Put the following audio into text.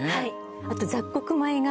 あと雑穀米が。